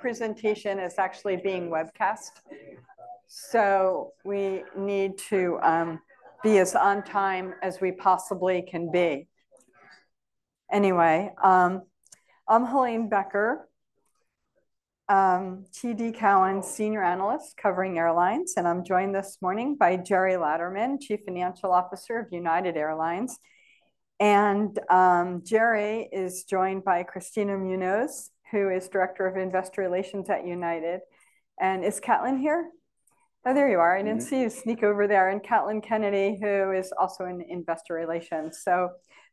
This presentation is actually being webcast, so we need to be as on time as we possibly can be. Anyway, I'm Helane Becker, TD Cowen Senior Analyst covering airlines, and I'm joined this morning by Gerry Laderman, Chief Financial Officer of United Airlines. Gerry is joined by Kristina Munoz, who is Director of Investor Relations at United. Is Caitlin here? Oh, there you are. Mm-hmm. I didn't see you sneak over there. Caitlin Kennedy, who is also in investor relations.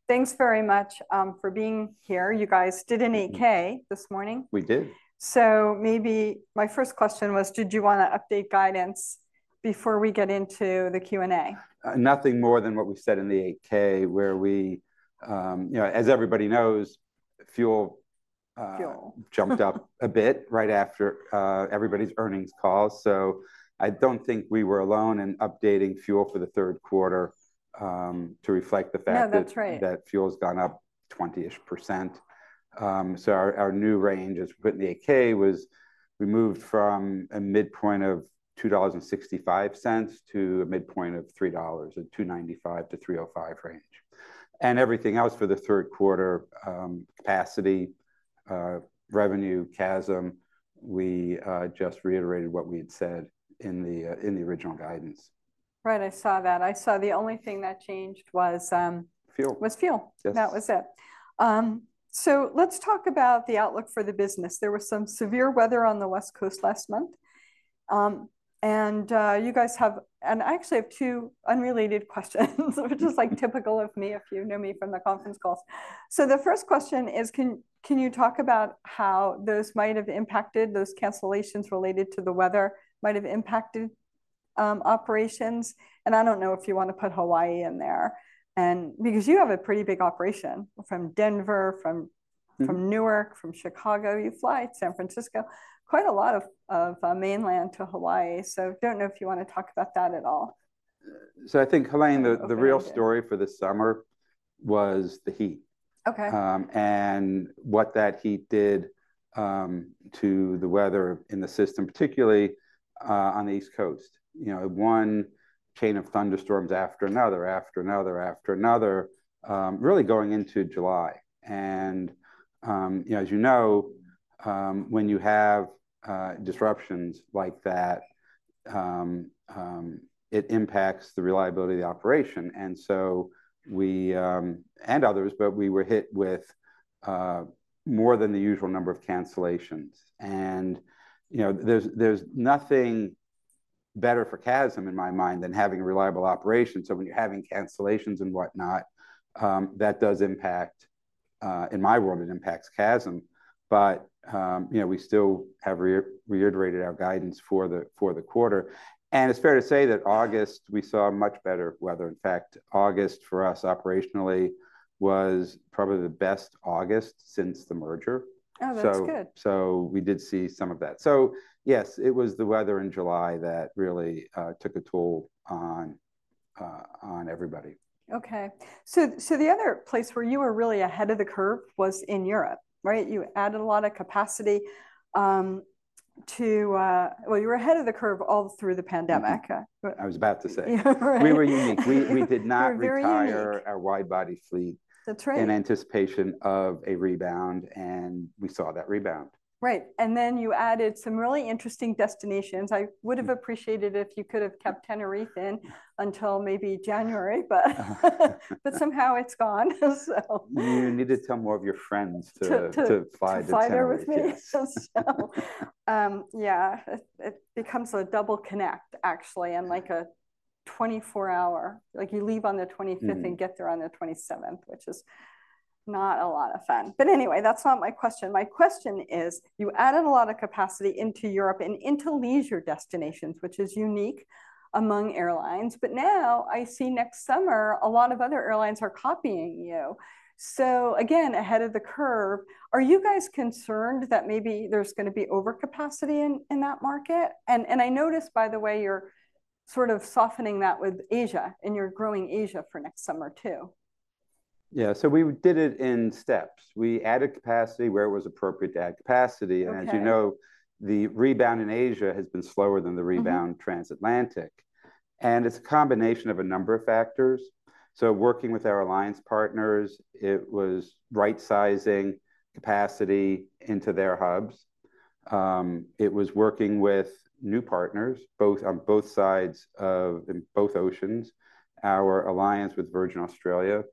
Thanks very much for being here. You guys did an 8-K this morning. We did. Maybe my first question was, did you want to update guidance before we get into the Q&A? Nothing more than what we've said in the 8-K, where we. You know, as everybody knows, fuel. Fuel. -jumped up a bit right after everybody's earnings call. So I don't think we were alone in updating fuel for the third quarter to reflect the fact that- No, that's right.... that fuel's gone up 20-ish%. So our new range, as we put in the 8-K, was we moved from a midpoint of $2.65 to a midpoint of $3, a $2.95-$3.05 range. Everything else for the third quarter, capacity, revenue, CASM, we just reiterated what we had said in the original guidance. Right. I saw that. I saw the only thing that changed was, Fuel... was fuel. Yes. That was it. So let's talk about the outlook for the business. There was some severe weather on the West Coast last month. And you guys have— And I actually have two unrelated questions, which is, like, typical of me, if you know me from the conference calls. So the first question is, can you talk about how those might have impacted, those cancellations related to the weather, might have impacted, operations? And I don't know if you want to put Hawaii in there, and, because you have a pretty big operation from Denver, from- Mm-hmm... from Newark, from Chicago. You fly to San Francisco, quite a lot of mainland to Hawaii. So don't know if you want to talk about that at all. So I think, Helane, the real story for this summer was the heat- Okay... and what that heat did to the weather in the system, particularly on the East Coast. You know, one chain of thunderstorms after another, after another, after another, really going into July. And you know, as you know, when you have disruptions like that, it impacts the reliability of the operation. And so we and others, but we were hit with more than the usual number of cancellations. And you know, there's nothing better for CASM, in my mind, than having a reliable operation. So when you're having cancellations and whatnot, that does impact... In my world, it impacts CASM. But you know, we still have reiterated our guidance for the quarter. And it's fair to say that August, we saw much better weather. In fact, August for us operationally was probably the best August since the merger. Oh, that's good. So, so we did see some of that. So yes, it was the weather in July that really took a toll on everybody. Okay. So, so the other place where you were really ahead of the curve was in Europe, right? You added a lot of capacity. Well, you were ahead of the curve all through the pandemic. Mm-hmm. I was about to say. Yeah, right. We were unique. You were very unique. We did not retire our wide-body fleet- That's right... in anticipation of a rebound, and we saw that rebound. Right. And then you added some really interesting destinations. Mm. I would have appreciated if you could have kept Tenerife in until maybe January, but somehow it's gone, so. You need to tell more of your friends to- To, to- to fly to Tenerife... to fly there with me. Yes. Yeah, it becomes a double connect, actually, and like a 24-hour—like, you leave on the 25th- Mm... and get there on the 27th, which is not a lot of fun. But anyway, that's not my question. My question is, you added a lot of capacity into Europe and into leisure destinations, which is unique among airlines. But now I see next summer, a lot of other airlines are copying you, so again, ahead of the curve. Are you guys concerned that maybe there's gonna be overcapacity in, in that market? And, and I noticed, by the way, you're sort of softening that with Asia, and you're growing Asia for next summer, too. Yeah, so we did it in steps. We added capacity where it was appropriate to add capacity. Okay. As you know, the rebound in Asia has been slower than the rebound- Mm-hmm... trans-Atlantic. It's a combination of a number of factors. Working with our alliance partners, it was right-sizing capacity into their hubs. It was working with new partners, both on both sides of, in both oceans. Our alliance with Virgin Australia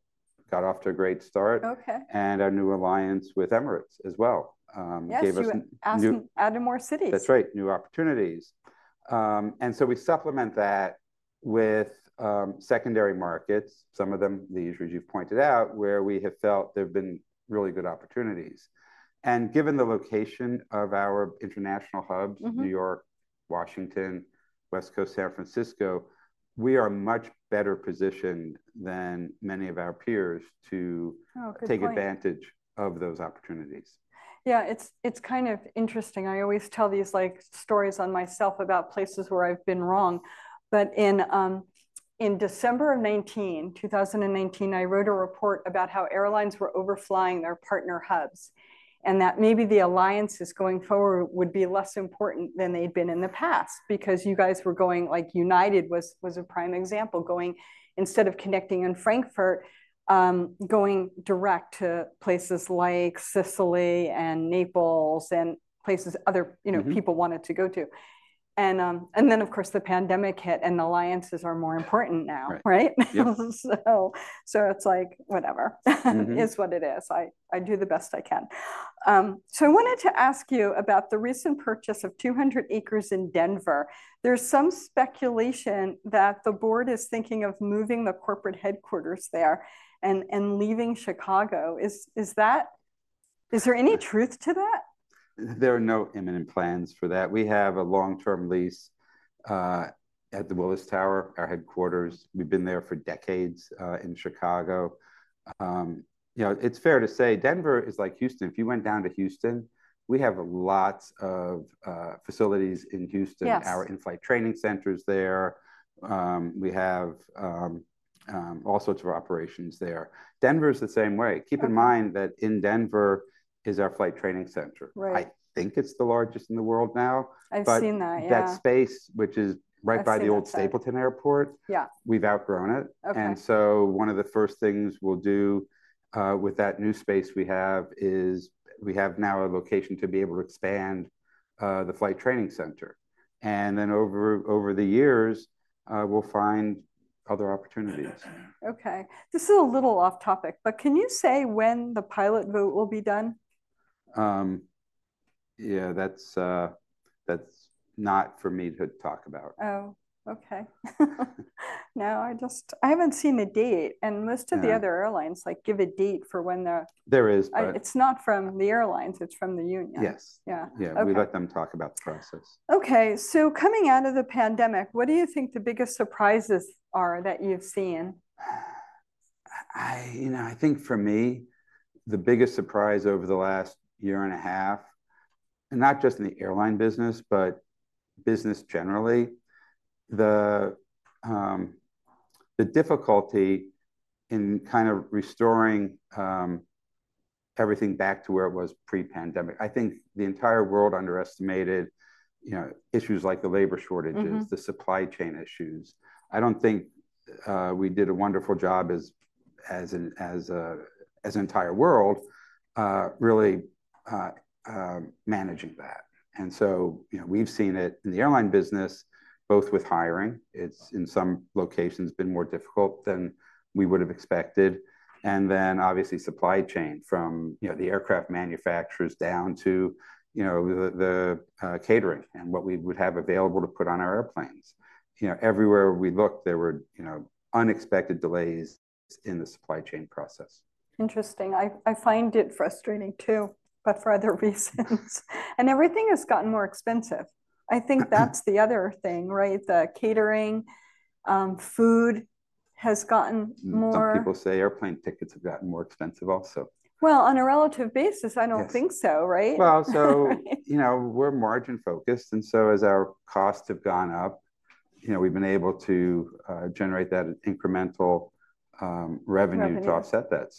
got off to a great start- Okay... and our new alliance with Emirates as well, gave us new- Yes, you are adding more cities. That's right, new opportunities. And so we supplement that with secondary markets, some of them, the issues you've pointed out, where we have felt there have been really good opportunities. And given the location of our international hubs- Mm-hmm... New York, Washington, West Coast, San Francisco, we are much better positioned than many of our peers to- Oh, good point.... take advantage of those opportunities. Yeah, it's, it's kind of interesting. I always tell these, like, stories on myself about places where I've been wrong. But in December of 2019, 2019, I wrote a report about how airlines were overflying their partner hubs, and that maybe the alliances going forward would be less important than they'd been in the past. Because you guys were going, like, United was, was a prime example, going instead of connecting in Frankfurt, going direct to places like Sicily and Naples and places other, you know- Mm-hmm... people wanted to go to. And, and then, of course, the pandemic hit, and alliances are more important now. Right. Right? Yes. It's like, whatever, Mm-hmm. It is what it is. I do the best I can. So I wanted to ask you about the recent purchase of 200 acres in Denver. There's some speculation that the board is thinking of moving the corporate headquarters there and leaving Chicago. Is that? Is there any truth to that? There are no imminent plans for that. We have a long-term lease at the Willis Tower, our headquarters. We've been there for decades in Chicago. You know, it's fair to say Denver is like Houston. If you went down to Houston, we have lots of facilities in Houston. Yes. Our in-flight training center is there. We have all sorts of operations there. Denver is the same way. Okay. Keep in mind that in Denver is our flight training center. Right. I think it's the largest in the world now. I've seen that, yeah. But that space, which is- I've seen that space.... right by the old Stapleton Airport- Yeah... we've outgrown it. Okay. And so one of the first things we'll do with that new space we have is we have now a location to be able to expand the flight training center. And then over the years, we'll find other opportunities. Okay. This is a little off-topic, but can you say when the pilot vote will be done? Yeah, that's, that's not for me to talk about. Oh, okay. Now, I just, I haven't seen the date, and most of the- Yeah... other airlines, like, give a date for when the- There is, but- It's not from the airlines, it's from the union. Yes. Yeah. Yeah. Okay. We let them talk about the process. Okay. So coming out of the pandemic, what do you think the biggest surprises are that you've seen? You know, I think for me, the biggest surprise over the last year and a half, and not just in the airline business, but business generally, the difficulty in kind of restoring everything back to where it was pre-pandemic. I think the entire world underestimated, you know, issues like the labor shortages- Mm-hmm... the supply chain issues. I don't think we did a wonderful job as an entire world really managing that. And so, you know, we've seen it in the airline business, both with hiring, it's in some locations been more difficult than we would have expected. And then obviously, supply chain from, you know, the aircraft manufacturers down to, you know, the catering and what we would have available to put on our airplanes. You know, everywhere we looked, there were, you know, unexpected delays in the supply chain process. Interesting. I find it frustrating, too, but for other reasons. Everything has gotten more expensive. Mm-hmm. I think that's the other thing, right? The catering, food has gotten more- Some people say airplane tickets have gotten more expensive also. Well, on a relative basis- Yes... I don't think so, right? Well, so, you know, we're margin focused, and so as our costs have gone up, you know, we've been able to generate that incremental revenue- Revenue... to offset that.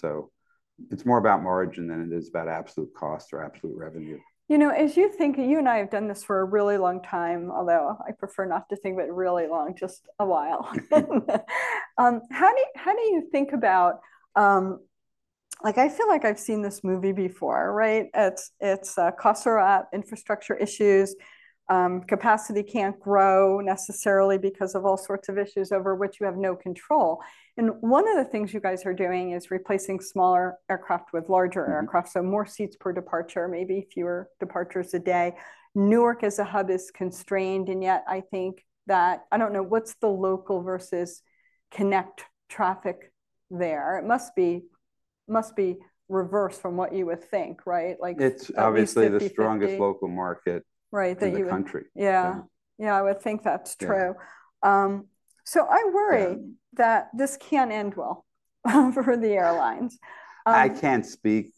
So it's more about margin than it is about absolute cost or absolute revenue. You know, as you think. You and I have done this for a really long time, although I prefer not to think about it really long, just a while. How do you, how do you think about... Like, I feel like I've seen this movie before, right? It's, it's, costs are up, infrastructure issues, capacity can't grow necessarily because of all sorts of issues over which you have no control. And one of the things you guys are doing is replacing smaller aircraft with larger aircraft. Mm-hmm. So more seats per departure, maybe fewer departures a day. Newark as a hub is constrained, and yet I think that, I don't know, what's the local versus connect traffic there? It must be, must be reversed from what you would think, right? Like, maybe 50/50. It's obviously the strongest local market- Right, that you would-... in the country. Yeah. Yeah. Yeah, I would think that's true. Yeah. So I worry- Yeah... that this can't end well for the airlines. I can't speak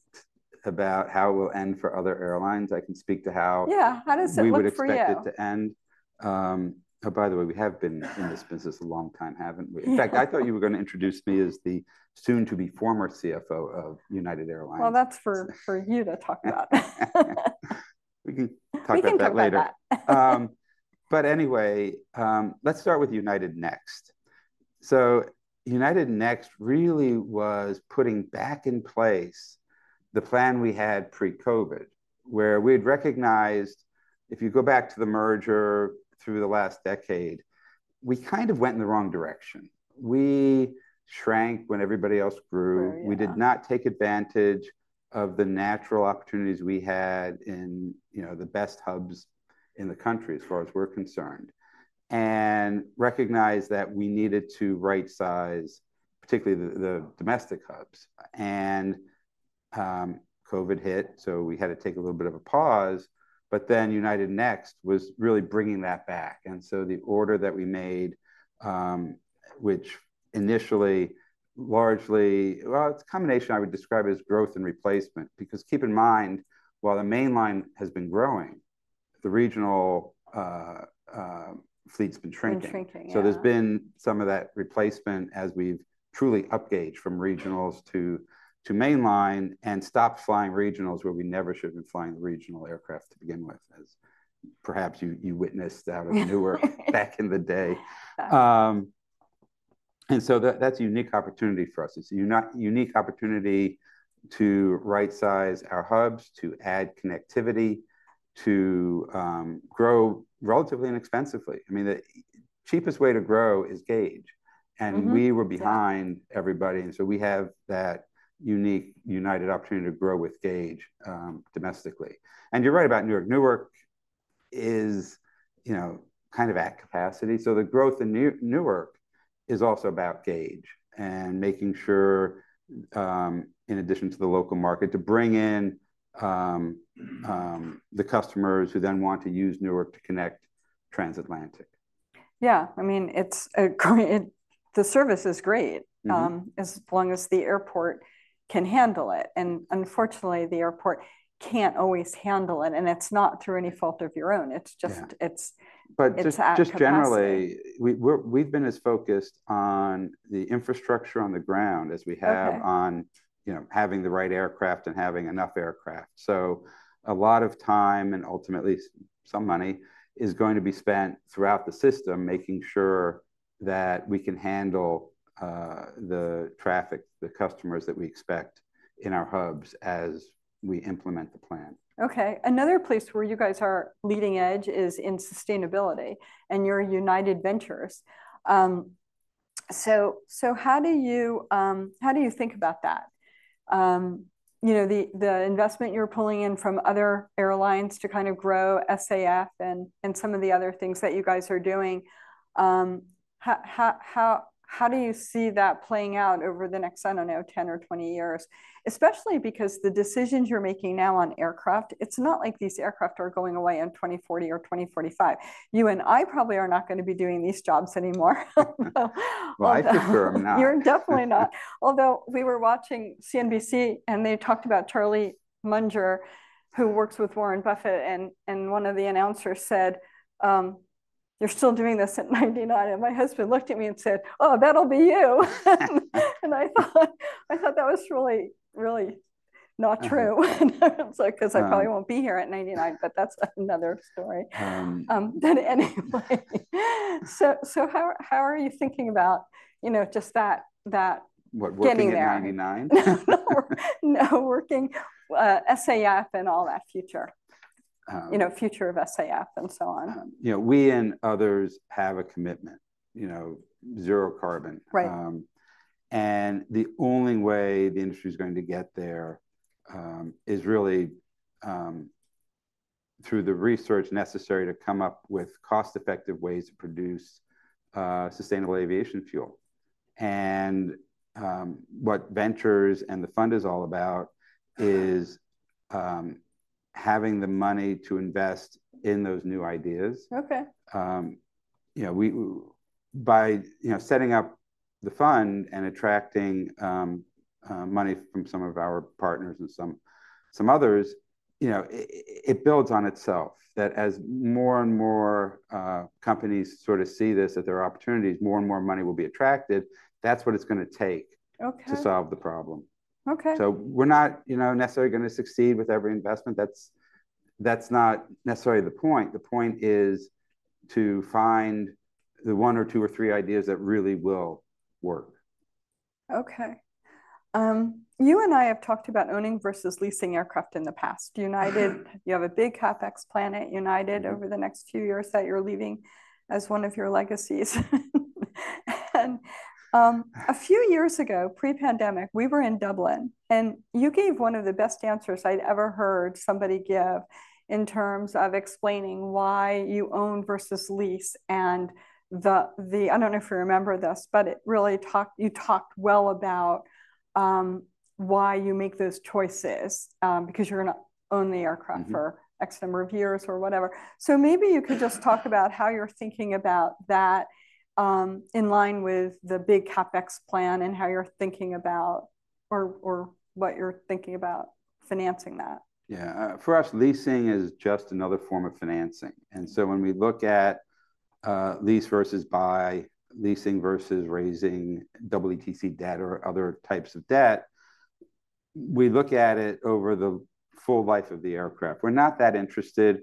about how it will end for other airlines. I can speak to how- Yeah, how does it look for you?... we would expect it to end. Oh, by the way, we have been in this business a long time, haven't we? Yeah. In fact, I thought you were going to introduce me as the soon to be former CFO of United Airlines. Well, that's for you to talk about. We can talk about that later. We can come back. But anyway, let's start with United Next. So United Next really was putting back in place the plan we had pre-COVID, where we had recognized if you go back to the merger through the last decade, we kind of went in the wrong direction. We shrank when everybody else grew. Oh, yeah. We did not take advantage of the natural opportunities we had in, you know, the best hubs in the country, as far as we're concerned, and recognized that we needed to rightsize, particularly the domestic hubs. And COVID hit, so we had to take a little bit of a pause, but then United Next was really bringing that back. And so the order that we made, which initially, largely... Well, it's a combination I would describe as growth and replacement. Because keep in mind, while the mainline has been growing-... the regional fleet's been shrinking. Been shrinking, yeah. So there's been some of that replacement as we've truly upgauged from regionals to mainline and stopped flying regionals where we never should have been flying the regional aircraft to begin with, as perhaps you witnessed out of Newark back in the day. And so that, that's a unique opportunity for us. It's a unique opportunity to rightsize our hubs, to add connectivity, to grow relatively inexpensively. I mean, the cheapest way to grow is gauge. Mm-hmm. We were behind everybody, and so we have that unique United opportunity to grow with gauge domestically. You're right about Newark. Newark is, you know, kind of at capacity, so the growth in Newark is also about gauge and making sure, in addition to the local market, to bring in the customers who then want to use Newark to connect transatlantic. Yeah. I mean, the service is great. Mm-hmm... as long as the airport can handle it, and unfortunately, the airport can't always handle it, and it's not through any fault of your own. Yeah. It's just at capacity. But just generally, we've been as focused on the infrastructure on the ground as we have- Okay... on, you know, having the right aircraft and having enough aircraft. So a lot of time, and ultimately some money, is going to be spent throughout the system, making sure that we can handle the traffic, the customers that we expect in our hubs as we implement the plan. Okay. Another place where you guys are leading edge is in sustainability and your United Ventures. So, how do you think about that? You know, the investment you're pulling in from other airlines to kind of grow SAF and some of the other things that you guys are doing, how do you see that playing out over the next, I don't know, 10 or 20 years? Especially because the decisions you're making now on aircraft, it's not like these aircraft are going away in 2040 or 2045. You and I probably are not going to be doing these jobs anymore. Well, I can confirm not. You're definitely not. Although we were watching CNBC, and they talked about Charlie Munger, who works with Warren Buffett, and, and one of the announcers said: "You're still doing this at 99?" And my husband looked at me and said: "Oh, that'll be you." And I thought, I thought that was really, really not true. Right. I was like, 'cause I probably won't be here at 99, but that's another story. Um- But anyway, so how are you thinking about, you know, just that, that? What, working at 99? -getting there? No, no. No, working, SAF and all that future. Um- You know, future of SAF and so on. You know, we and others have a commitment, you know, zero carbon. Right. The only way the industry is going to get there is really through the research necessary to come up with cost-effective ways to produce sustainable aviation fuel. What Ventures and the fund is all about is having the money to invest in those new ideas. Okay. You know, by you know, setting up the fund and attracting money from some of our partners and some others, you know, it builds on itself, that as more and more companies sort of see this, that there are opportunities, more and more money will be attracted. That's what it's gonna take. Okay... to solve the problem. Okay. So we're not, you know, necessarily gonna succeed with every investment. That's, that's not necessarily the point. The point is to find the one or two or three ideas that really will work. Okay. You and I have talked about owning versus leasing aircraft in the past. Mm. United, you have a big CapEx plan at United- Mm... over the next few years that you're leaving as one of your legacies. And a few years ago, pre-pandemic, we were in Dublin, and you gave one of the best answers I'd ever heard somebody give in terms of explaining why you own versus lease and I don't know if you remember this, but you talked well about why you make those choices. Because you're gonna own the aircraft- Mm-hmm... for X number of years or whatever. So maybe you could just talk about how you're thinking about that in line with the big CapEx plan and how you're thinking about or, or what you're thinking about financing that. Yeah. For us, leasing is just another form of financing. And so when we look at lease versus buy, leasing versus raising EETC debt or other types of debt, we look at it over the full life of the aircraft. We're not that interested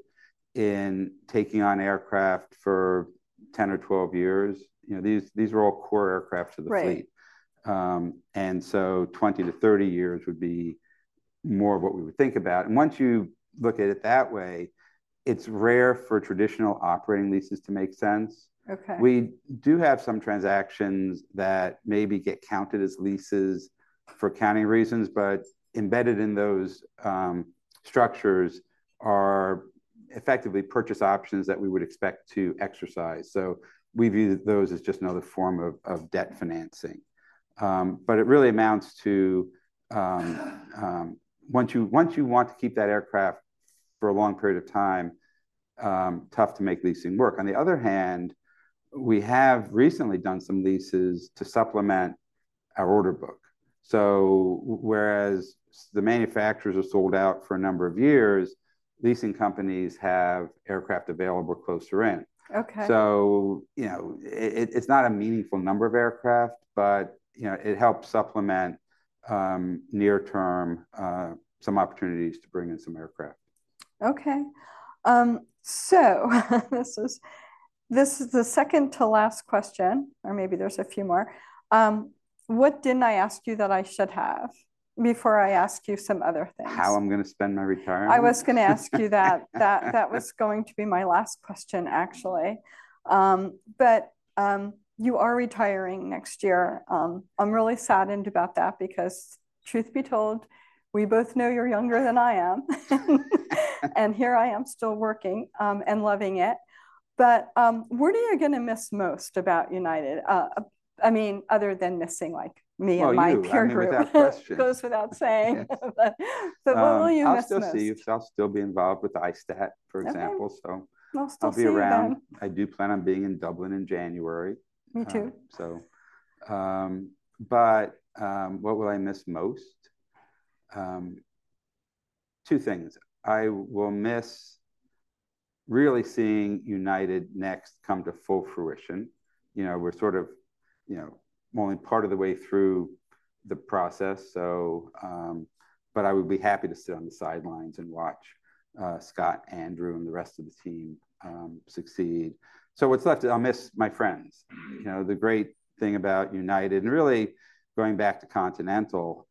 in taking on aircraft for 10 or 12 years. You know, these are all core aircraft to the fleet. Right. And so 20-30 years would be more of what we would think about. Once you look at it that way, it's rare for traditional operating leases to make sense. Okay. We do have some transactions that maybe get counted as leases for accounting reasons, but embedded in those, structures are effectively purchase options that we would expect to exercise. So we view those as just another form of, of debt financing. But it really amounts to, Once you, once you want to keep that aircraft for a long period of time, tough to make leasing work. On the other hand, we have recently done some leases to supplement our order book. So whereas the manufacturers are sold out for a number of years, leasing companies have aircraft available closer in. Okay. So, you know, it's not a meaningful number of aircraft, but, you know, it helps supplement near term some opportunities to bring in some aircraft. Okay. So this is, this is the second to last question, or maybe there's a few more. What didn't I ask you that I should have, before I ask you some other things? How I'm gonna spend my retirement? I was gonna ask you that. That, that was going to be my last question, actually. But, you are retiring next year. I'm really saddened about that, because truth be told, we both know you're younger than I am. And here I am, still working, and loving it. But, what are you gonna miss most about United? I mean, other than missing, like, me- Well, you-... and my peer group. I mean, without question. Goes without saying. Yes. What will you miss most? I'll still see you, so I'll still be involved with ISTAT, for example, so... Okay. I'll still see you then. I'll be around. I do plan on being in Dublin in January. Me too. But, what will I miss most? Two things. I will miss really seeing United Next come to full fruition. You know, we're sort of, you know, only part of the way through the process, so... But I would be happy to sit on the sidelines and watch, Scott, Andrew, and the rest of the team, succeed. So what's left, I'll miss my friends. You know, the great thing about United, and really going back to Continental,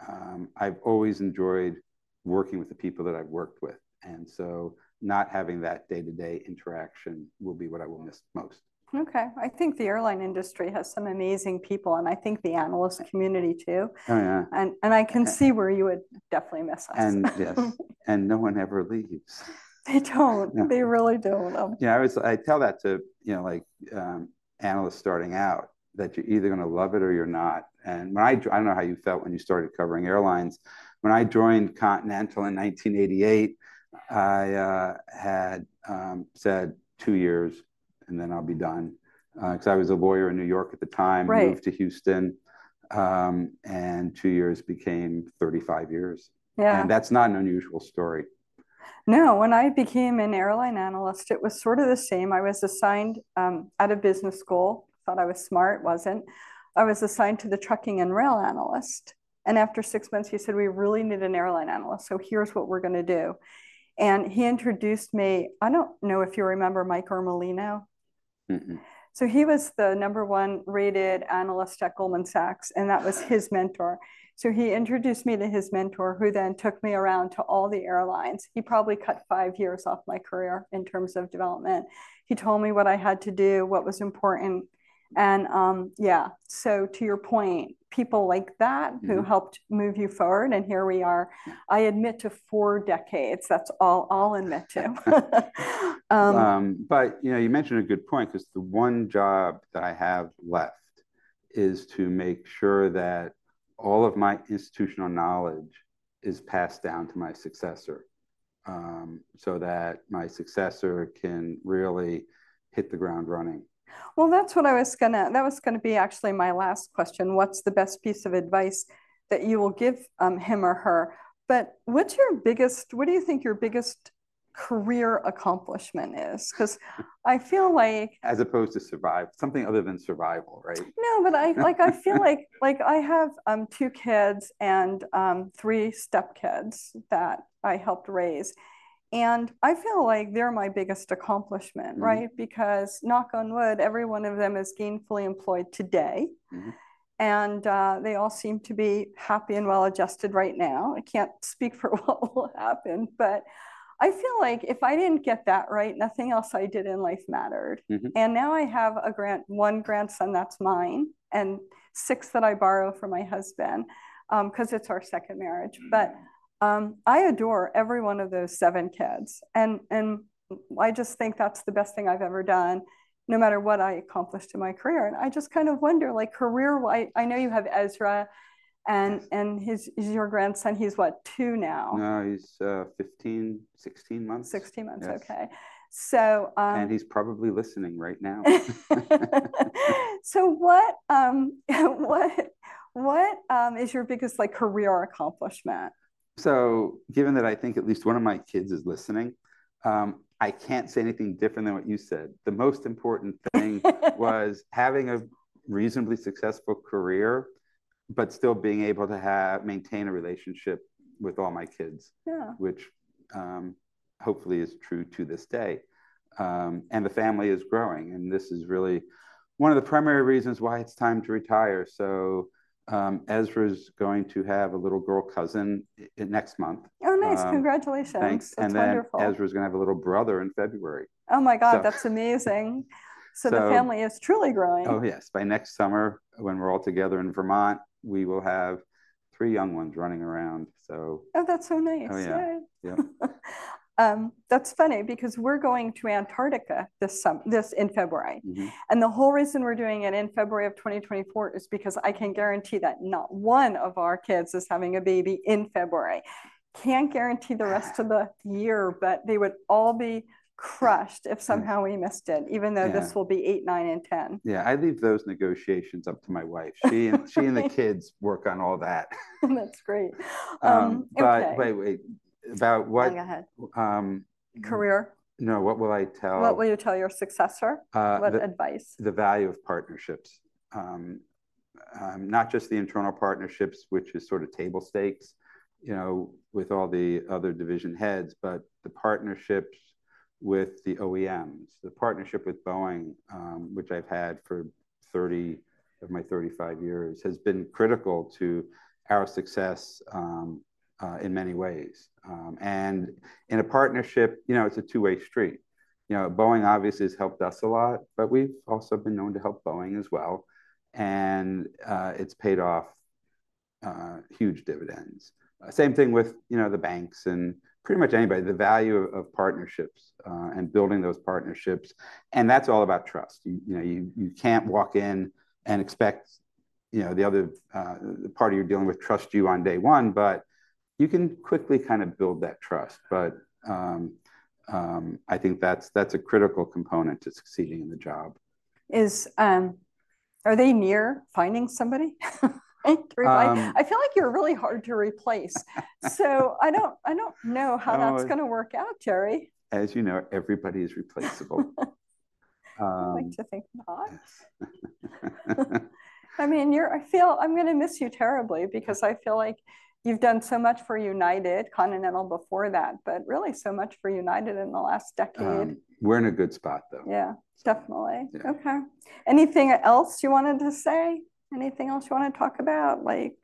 I've always enjoyed working with the people that I've worked with, and so not having that day-to-day interaction will be what I will miss most. Okay. I think the airline industry has some amazing people, and I think the analyst community, too. Oh, yeah. I can see where you would definitely miss us. Yes, and no one ever leaves. They don't. No. They really don't. Yeah, I always tell that to, you know, like, analysts starting out, that you're either gonna love it or you're not. I don't know how you felt when you started covering airlines. When I joined Continental in 1988, I had said, "2 years and then I'll be done." 'Cause I was a lawyer in New York at the time. Right... moved to Houston, and 2 years became 35 years. Yeah. That's not an unusual story. No, when I became an airline analyst, it was sort of the same. I was assigned out of business school, thought I was smart, wasn't. I was assigned to the trucking and rail analyst, and after six months, he said, "We really need an airline analyst, so here's what we're gonna do." And he introduced me... I don't know if you remember Mike Armellino? Mm-mm. So he was the number one-rated analyst at Goldman Sachs, and that was his mentor. So he introduced me to his mentor, who then took me around to all the airlines. He probably cut five years off my career in terms of development. He told me what I had to do, what was important, and, yeah. So to your point, people like that- Mm-hmm... who helped move you forward, and here we are. I admit to four decades. That's all, all I admit to. But, you know, you mention a good point, 'cause the one job that I have left is to make sure that all of my institutional knowledge is passed down to my successor, so that my successor can really hit the ground running. Well, that's what I was gonna... That was gonna be actually my last question: What's the best piece of advice that you will give, him or her? But what's your biggest- what do you think your biggest career accomplishment is? 'Cause I feel like- As opposed to survive, something other than survival, right? No, but like, I feel like I have two kids and three stepkids that I helped raise, and I feel like they're my biggest accomplishment. Mm. Right? Because knock on wood, every one of them is gainfully employed today. Mm-hmm. They all seem to be happy and well-adjusted right now. I can't speak for what will happen, but I feel like if I didn't get that right, nothing else I did in life mattered. Mm-hmm. Now I have one grandson that's mine, and six that I borrow from my husband, 'cause it's our second marriage. Mm. But, I adore every one of those seven kids, and I just think that's the best thing I've ever done, no matter what I accomplish in my career. And I just kind of wonder, like, career-wise... I know you have Ezra, and- Yes... and he's, he's your grandson. He's, what, two now? No, he's 15, 16 months. 16 months. Yes. Okay, so. He's probably listening right now. So what is your biggest, like, career accomplishment? So given that I think at least one of my kids is listening, I can't say anything different than what you said. The most important thing was having a reasonably successful career, but still being able to have, maintain a relationship with all my kids- Yeah... which, hopefully is true to this day. The family is growing, and this is really one of the primary reasons why it's time to retire. Ezra's going to have a little girl cousin next month. Oh, nice. Um- Congratulations. Thanks. That's wonderful. And then Ezra's gonna have a little brother in February. Oh, my God! So- That's amazing. So- The family is truly growing. Oh, yes. By next summer, when we're all together in Vermont, we will have three young ones running around, so. Oh, that's so nice. Oh, yeah. Yeah. Yeah. That's funny, because we're going to Antarctica this in February. Mm-hmm. The whole reason we're doing it in February of 2024 is because I can guarantee that not one of our kids is having a baby in February. Can't guarantee the rest of the year, but they would all be crushed if somehow we missed it, even though- Yeah This will be 8, 9, and 10. Yeah, I leave those negotiations up to my wife. She and the kids work on all that. That's great. Okay. But wait, wait. About what- No, go ahead. Um. Career? No, what will I tell- What will you tell your successor? Uh, the- What advice? The value of partnerships. Not just the internal partnerships, which is sort of table stakes, you know, with all the other division heads, but the partnerships with the OEMs. The partnership with Boeing, which I've had for 30 of my 35 years, has been critical to our success, in many ways. And in a partnership, you know, it's a two-way street. You know, Boeing obviously has helped us a lot, but we've also been known to help Boeing as well, and, it's paid off, huge dividends. Same thing with, you know, the banks and pretty much anybody. The value of partnerships, and building those partnerships, and that's all about trust. You know, you can't walk in and expect, you know, the other party you're dealing with trust you on day one, but you can quickly kind of build that trust. But I think that's a critical component to succeeding in the job. Are they near finding somebody? Um- I feel like you're really hard to replace. So I don't, I don't know how that's gonna work out, Gerry. As you know, everybody's replaceable. I like to think not. I mean, you're. I feel I'm gonna miss you terribly because I feel like you've done so much for United, Continental before that, but really so much for United in the last decade. We're in a good spot, though. Yeah, definitely. Yeah. Okay. Anything else you wanted to say? Anything else you wanna talk about? Like,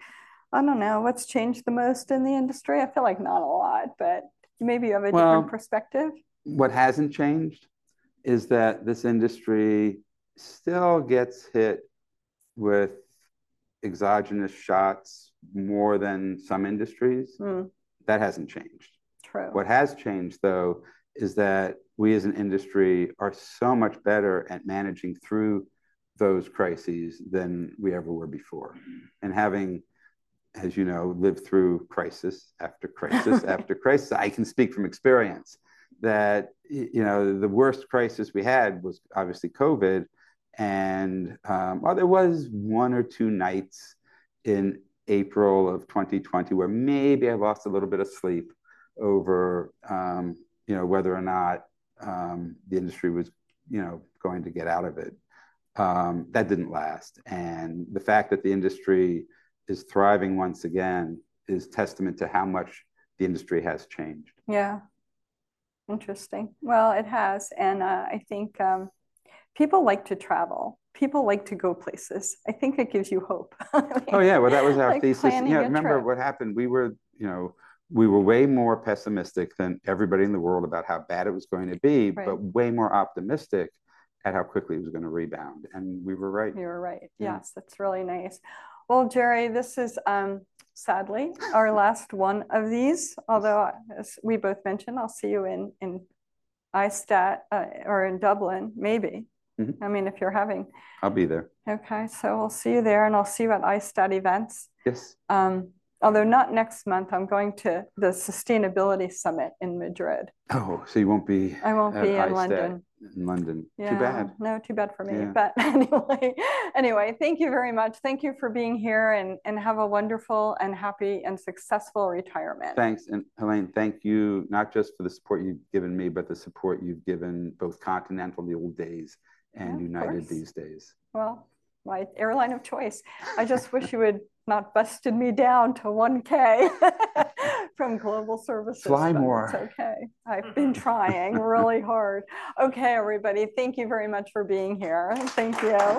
I don't know, what's changed the most in the industry? I feel like not a lot, but maybe you have a different perspective. Well, what hasn't changed is that this industry still gets hit with exogenous shocks more than some industries. Mm. That hasn't changed. True. What has changed, though, is that we as an industry are so much better at managing through those crises than we ever were before. And having, as you know, lived through crisis after crisis after crisis, I can speak from experience that you know, the worst crisis we had was obviously COVID, and while there was one or two nights in April of 2020 where maybe I lost a little bit of sleep over, you know, whether or not the industry was, you know, going to get out of it, that didn't last. And the fact that the industry is thriving once again is testament to how much the industry has changed. Yeah. Interesting. Well, it has, and, I think, people like to travel. People like to go places. I think it gives you hope. Oh, yeah. Well, that was our thesis. Like planning a trip. Yeah, remember what happened? We were, you know, we were way more pessimistic than everybody in the world about how bad it was going to be- Right... but way more optimistic at how quickly it was gonna rebound, and we were right. You were right. Yeah. Yes, that's really nice. Well, Gerry, this is, sadly, our last one of these. Yes. Although, as we both mentioned, I'll see you in ISTAT or in Dublin, maybe. Mm-hmm. I mean, if you're having- I'll be there. Okay, so I'll see you there, and I'll see you at ISTAT events. Yes. Although not next month. I'm going to the Sustainability Summit in Madrid. Oh, so you won't be- I won't be in London.... at ISTAT. In London. Yeah. Too bad. No, too bad for me. Yeah. But anyway, anyway, thank you very much. Thank you for being here, and have a wonderful and happy and successful retirement. Thanks. Helane, thank you, not just for the support you've given me, but the support you've given both Continental in the old days- Yeah, of course.... and United these days. Well, my airline of choice. I just wish you had not busted me down to 1K from Global Services- Fly more. But it's okay. I've been trying really hard. Okay, everybody, thank you very much for being here. Thank you.